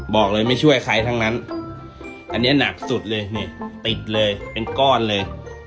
บอกเลยไม่ช่วยใครทั้งนั้นอันนี้หนักสุดเลยนี่ติดเลยเป็นก้อนเลย